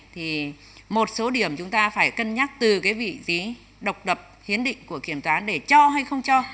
thì một số điểm chúng ta phải cân nhắc từ cái vị trí độc đập hiến định của kiểm toán để cho hay không cho